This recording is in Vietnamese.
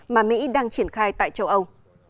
mà mỹ đang triển khai tại châu âu